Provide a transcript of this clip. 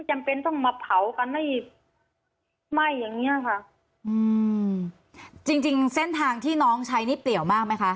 จำเป็นต้องมาเผากันให้ไหม้อย่างเงี้ยค่ะอืมจริงจริงเส้นทางที่น้องใช้นี่เปลี่ยวมากไหมคะ